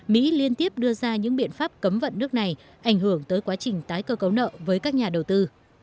mỹ liên tiếp đưa ra những biện pháp cấm vận nước này ảnh hưởng tới quá trình tái cơ cấu nợ với các nhà đầu tư